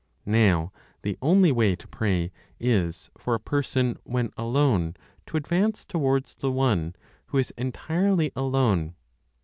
Now the only way to pray is (for a person), when alone, to advance towards the One, who is entirely alone.